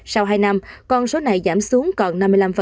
sau hai năm con số này giảm xuống còn năm mươi năm